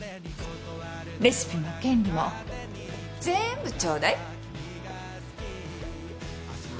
レシピも権利も全部ちょうだい。